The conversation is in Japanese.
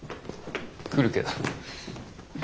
来るけど。